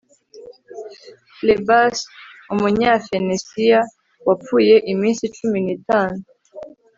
Phlebas Umunyafenisiya wapfuye iminsi cumi nitanu